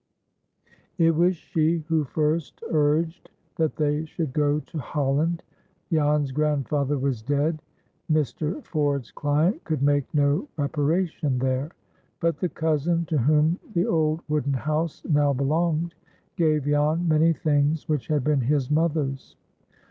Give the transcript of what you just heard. It was she who first urged that they should go to Holland. Jan's grandfather was dead,—Mr. Ford's client could make no reparation there,—but the cousin to whom the old wooden house now belonged gave Jan many things which had been his mother's.